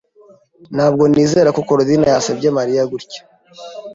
Ntabwo nizera ko Korodina yasebya Mariya gutya.